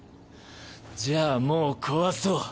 じゃあもう壊そう。